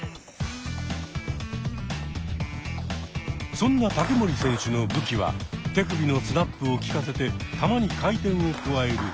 そんな竹守選手の武器は手首のスナップをきかせて球に回転を加えるすごい。